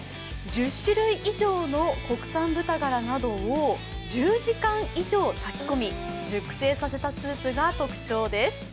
１０種類以上の国産豚ガラなどを１０時間以上炊き込み、熟成させたスープが特徴です。